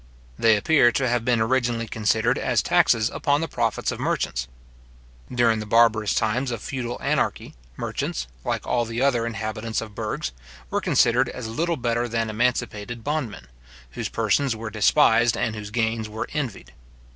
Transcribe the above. They appear to have been originally considered as taxes upon the profits of merchants. During the barbarous times of feudal anarchy, merchants, like all the other inhabitants of burghs, were considered as little better than emancipated bondmen, whose persons were despised, and whose gains were envied.